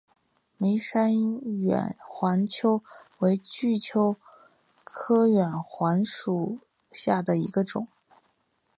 梅山远环蚓为巨蚓科远环蚓属下的一个种。